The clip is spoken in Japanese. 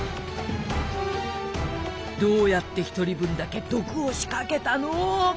どうやって１人分だけ毒を仕掛けたの？